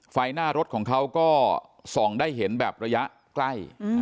ไฟหน้ารถของเขาก็ส่องได้เห็นแบบระยะใกล้